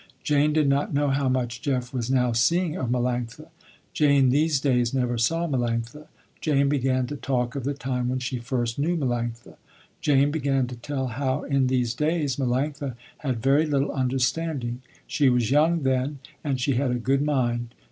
Jane did not know how much Jeff was now seeing of Melanctha. Jane these days never saw Melanctha. Jane began to talk of the time when she first knew Melanctha. Jane began to tell how in these days Melanctha had very little understanding. She was young then and she had a good mind.